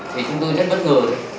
thì chúng tôi rất bất ngờ